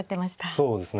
そうですね。